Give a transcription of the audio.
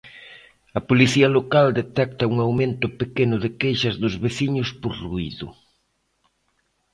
A Policía Local detecta un aumento pequeno de queixas dos veciños por ruído.